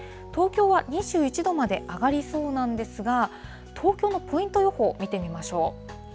東京は２１度まで上がりそうなんですが、東京のポイント予報、見てみましょう。